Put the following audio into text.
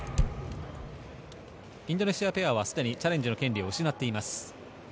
インドネシアペアはすでにチャレンジの権利を失っています。